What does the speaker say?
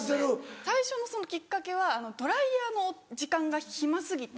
最初のそのきっかけはドライヤーの時間が暇過ぎて。